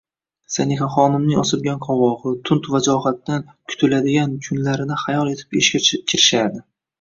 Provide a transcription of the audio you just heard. Sanihaxonimning osilgan qovog'i, tund vajohatidan kutuladigan kunlarini xayol etib ishga kirishardi.